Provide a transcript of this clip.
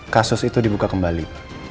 kasus itu dibuka kembali